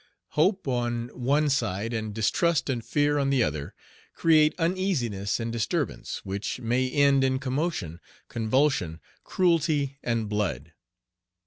Hope on one side, and distrust and fear on the other, create uneasiness and disturbance, which may end in commotion, convulsion, cruelty, and blood.